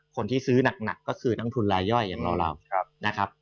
คนที่ซื้อหนักก็คือนักทุนลายย่อยอย่างเรานะครับ